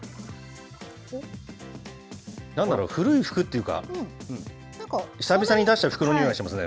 なんだろう、古い服っていうか、久々に出した服のにおいしますね。